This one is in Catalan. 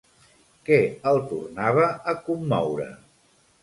Què el tornava a commoure?